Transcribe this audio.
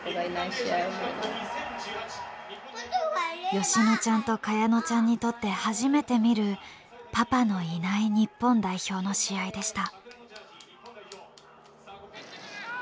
美乃ちゃんと香乃ちゃんにとって初めて見るパパのいない日本代表の試合でした。